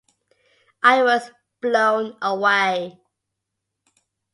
I was blown away.